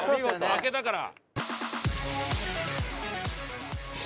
開けたから。